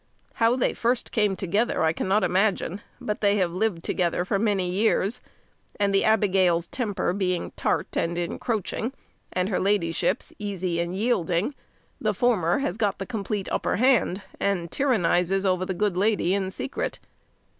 How they first came together I cannot imagine, but they have lived together for many years; and the abigail's temper being tart and encroaching, and her ladyship's easy and yielding, the former has got the complete upper hand, and tyrannises over the good lady in secret.